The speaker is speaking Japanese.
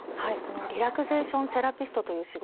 リラクゼーションセラピストという仕事なんです。